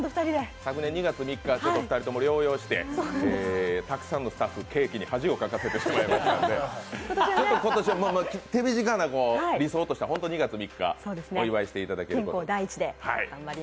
昨年２月３日、２人も療養して、たくさんのスタッフとケーキに恥をかかせてしまったので、今年は手短な理想としては２月３日にお祝いしていただきたいと。